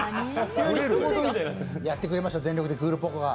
やってくれました全力でクールポコが。